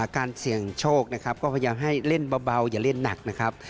การเสี่ยงโชคนะครับก็พยายามให้เล่นเบาอย่าเล่นหนักนะครับ